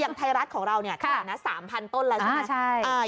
อย่างไทยรัฐของเราเนี่ย๓๐๐๐ต้นแล้วใช่ไหม